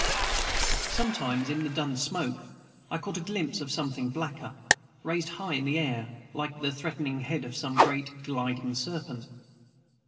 Sometimes in the dun smoke I caught a glimpse of something blacker, raised high in the air like the threatening head of some great gliding serpent.